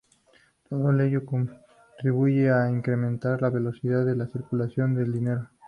Todo ello contribuye a incrementar la velocidad de circulación del dinero.